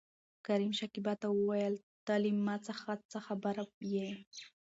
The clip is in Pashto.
کريم شکيبا ته وويل ته له ما څخه څه خبره يې؟